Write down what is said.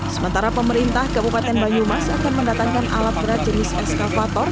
sementara pemerintah kabupaten banyumas akan mendatangkan alat berat jenis eskavator